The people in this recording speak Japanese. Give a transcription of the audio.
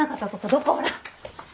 どこほら。